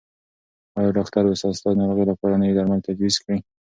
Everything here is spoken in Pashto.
ایا ډاکټر به ستا د ناروغۍ لپاره نوي درمل تجویز کړي؟